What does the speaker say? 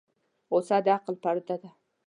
غوسه د عقل پرده ده.